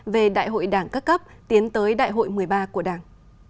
về đại hội đảng các cấp tiến tới đại hội một mươi ba của đảng